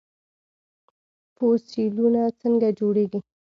فوسیلونه څنګه جوړیږي؟